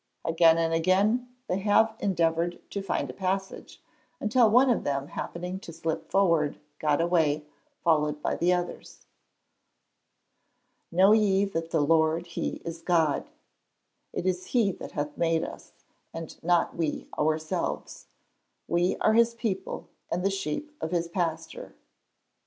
Again and again they have endeavoured to find a passage, until one of them happening to slip forward, got away, followed by the others! [Verse: "Know ye that the Lord he is God: it is he that hath made us, and not we ourselves: we are his people, and the sheep of his pasture."